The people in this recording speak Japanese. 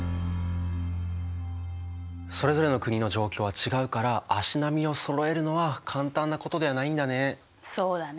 それぞれの国の状況は違うから足並みをそろえるのは簡単なことではないんだね。